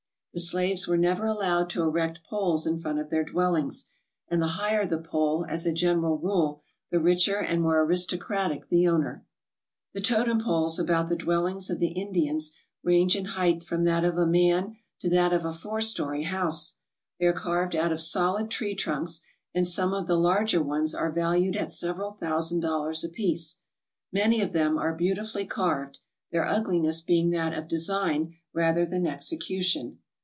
The slaves were never allowed to erect poles in front of their dwellings, and the higher the pole, as a general rule, the richer and more aristocratic the owner. The totem poles about the dwellings of the Indians range in height from that of a man to that of a four story house. They are carved out of solid tree trunks, and some of the larger ones are valued at several thousand dollars apiece. Many of them are beautifully carved, their ugliness being that of design rather than execution.